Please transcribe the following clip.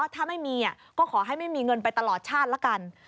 ถ้าไม่มีก็ขอให้ไม่มีเงินไปตลอดชาติละกัน